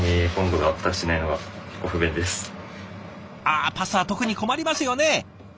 ああパスタは特に困りますよね。